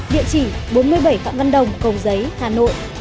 địa chỉ bốn mươi bảy phạm văn đồng cầu giấy hà nội